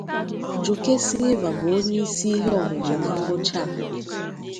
Joke Silva bụ onye isi ihe ọmụmụ na ngwụcha a.